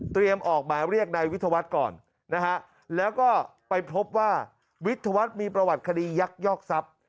ออกหมายเรียกนายวิทยาวัฒน์ก่อนนะฮะแล้วก็ไปพบว่าวิทยาวัฒน์มีประวัติคดียักยอกทรัพย์